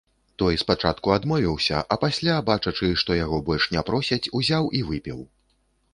Той спачатку адмовіўся, а пасля, бачачы, што яго больш не просяць, узяў і выпіў.